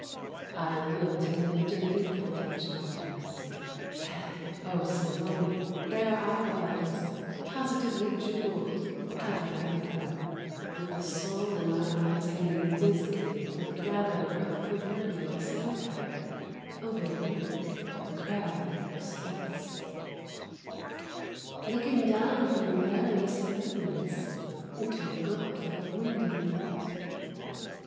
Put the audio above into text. ..." I looked in the dirty i^ili edged glass. And, oh Salome ; there I was — Positively jewelled, half a vampire, With the soul in my eyes hanging dizzily Like the gatherer of proverbial samphire Over the brink of the crag of sense, Looking down from perilous eminence Into a gulf of windy night.